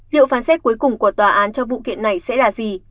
liệu phán xét cuối cùng của tòa án trong vụ kiện này sẽ là gì